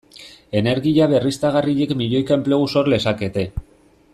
Energia berriztagarriek milioika enplegu sor lezakete.